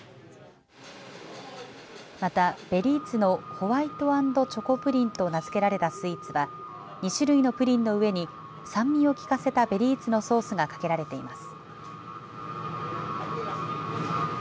また、ベリーツのホワイト＆チョコプリンと名付けられたスイーツは２種類のプリンの上に酸味を効かせたベリーツのソースがかけられています。